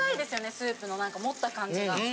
スープのなんか持った感じが。